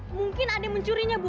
mungkin ada yang mencurinya bu